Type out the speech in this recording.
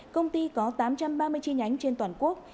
công ty có tám trăm ba mươi chi nhánh trên toàn quốc